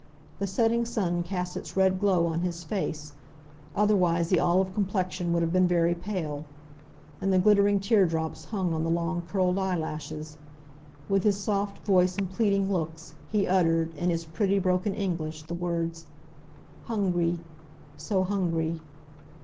The setting sun cast its red glow on his face, otherwise the olive complexion would have been very pale; and the glittering tear drops hung on the long curled eye lashes. With his soft voice and pleading looks, he uttered, in his pretty broken English, the words "Hungry! so hungry."